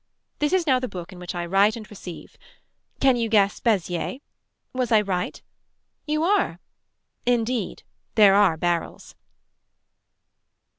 This is now the book in which I write and receive. Can you guess Beziers. Was I right. You are. Indeed there are barrels.